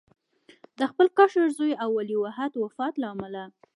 د خپل کشر زوی او ولیعهد وفات له امله.